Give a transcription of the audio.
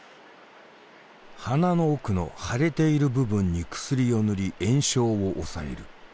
鼻の奥の腫れている部分に薬を塗り炎症を抑える。